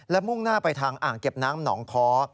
และมุ่งหน้าไปทางอ่างเก็บน้ำหนองคอ